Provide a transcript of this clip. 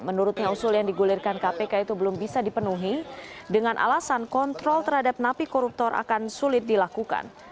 menurutnya usul yang digulirkan kpk itu belum bisa dipenuhi dengan alasan kontrol terhadap napi koruptor akan sulit dilakukan